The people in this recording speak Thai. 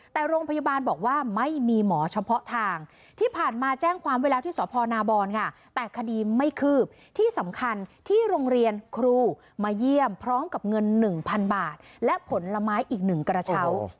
แต่โรงพยาบาลบอกว่าไม่มีหมอเฉพาะทางที่ผ่านมาแจ้งความไว้แล้วที่สพนาบรค่ะแต่คดีไม่คืบที่สำคัญที่โรงเรียนครูมาเยี่ยมพร้อมกับเงิน๑๐๐๐บาทและผลไม้อีก๑กระเช้า